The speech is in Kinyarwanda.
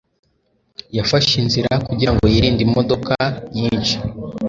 Yafashe inzira kugira ngo yirinde imodoka nyinshi.